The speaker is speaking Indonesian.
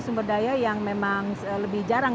sumber daya yang memang lebih jarang